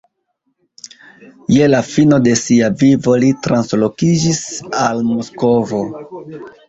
Je la fino de sia vivo li translokiĝis al Moskvo.